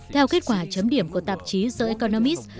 theo kết quả chấm điểm của tạp chí the economis